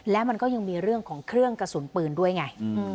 และมันก็ยังมีเรื่องของเครื่องกระสุนปืนด้วยไง